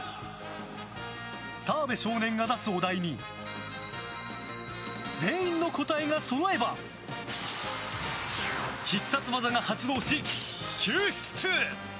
澤部少年が出すお題に全員の答えがそろえば必殺技が発動し、救出！